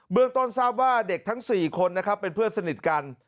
เรื่องต้นทราบว่าเด็กทั้ง๔คนนะครับเป็นเพื่อนสนิทกัน